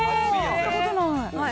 買ったことない。